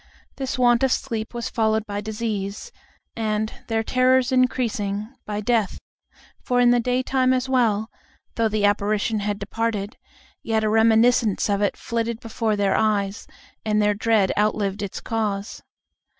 This want of sleep was followed by disease, and, their terrors increasing, by death. For in the daytime as well, though the apparition had departed, yet a reminiscence of it flitted before their eyes, and their dread outlived its cause.